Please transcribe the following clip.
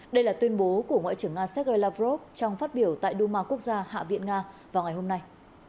đây là tuyên bố của ngoại trưởng nga sergei lavrov trong phát biểu tại duma quốc gia hạ viện nga vào ngày hôm nay